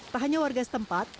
tak hanya warga setempat